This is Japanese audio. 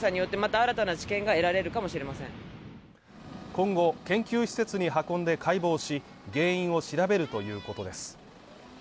今後、研究施設に運んで解剖し、原因を調べるということです。